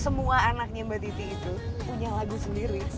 semua anaknya mbak titi itu punya lagu sendiri